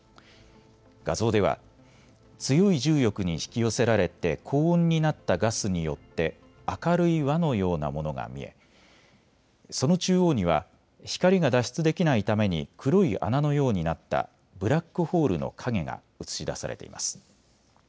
画像では強い重力に引き寄せられて高温になったガスによって明るい輪のようなものが見えその中央には光が脱出できないために黒い穴のようになったブラックホールの影が写し出されています。